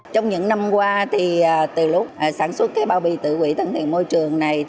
trong những năm qua từ lúc sản xuất bao bì tự quỷ thân thiện môi trường này